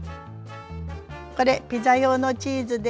これピザ用のチーズです。